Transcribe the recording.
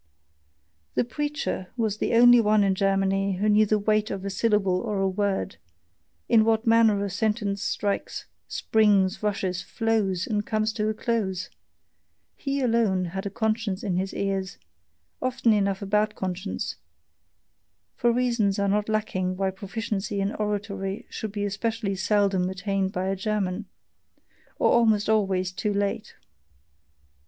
The preacher was the only one in Germany who knew the weight of a syllable or a word, in what manner a sentence strikes, springs, rushes, flows, and comes to a close; he alone had a conscience in his ears, often enough a bad conscience: for reasons are not lacking why proficiency in oratory should be especially seldom attained by a German, or almost always too late.